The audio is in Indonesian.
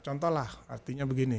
contohlah artinya begini